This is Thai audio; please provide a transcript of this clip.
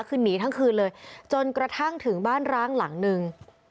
คือหนีทั้งคืนเลยจนกระทั่งถึงบ้านร้างหลังนึง